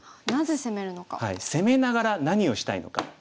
攻めながら何をしたいのか。